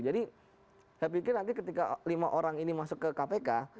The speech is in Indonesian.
jadi saya pikir nanti ketika lima orang ini masuk ke kpk